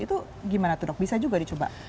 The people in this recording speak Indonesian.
itu gimana tuh dok bisa juga dicoba